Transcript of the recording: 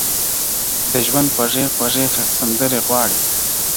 د ژوند خوږې خوږې سندرې غواړې